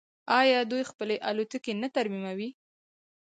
آیا دوی خپلې الوتکې نه ترمیموي؟